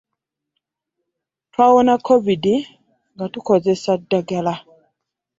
Twawona kovidi nga tukozesa ddagala.